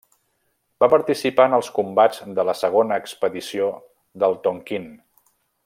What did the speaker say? Va participar en els combats de la segona expedició del Tonquín.